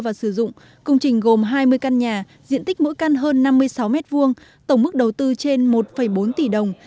và sử dụng công trình gồm hai mươi căn nhà diện tích mỗi căn hơn năm mươi sáu m hai tổng mức đầu tư trên một bốn tỷ đồng